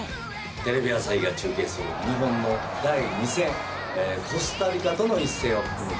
テレビ朝日が中継する日本の第２戦コスタリカとの一戦を含む